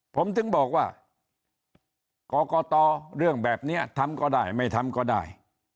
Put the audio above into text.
ผมถึงบอกว่ากรกตเรื่องแบบนี้ทำก็ได้ไม่ทำก็ได้